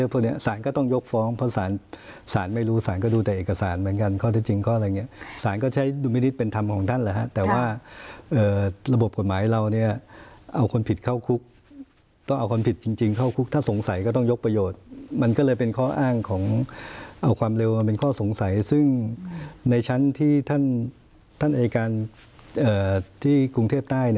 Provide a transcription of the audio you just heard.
เป็นข้อสงสัยซึ่งในชั้นที่ท่านท่านอายการที่กรุงเทพใต้เนี่ย